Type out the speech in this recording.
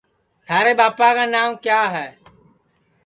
تھارے ٻاپا کا نانٚو کِیا ہے